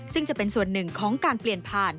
ซึ่งจะเป็นส่วนหนึ่งของการเปลี่ยนผ่าน